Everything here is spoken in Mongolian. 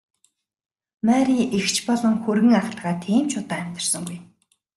Мария эгч болон хүргэн ахтайгаа тийм ч удаан амьдарсангүй.